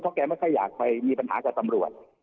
แกไม่ค่อยอยากไปมีปัญหากับตำรวจ